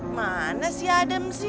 mana sih adam sih